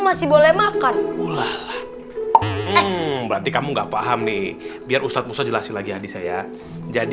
masih boleh makan ulah berarti kamu nggak paham nih biar ustadz musa jelasin lagi adik saya jadi